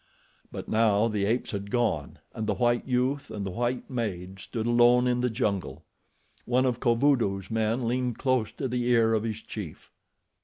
But now the apes had gone, and the white youth and the white maid stood alone in the jungle. One of Kovudoo's men leaned close to the ear of his chief.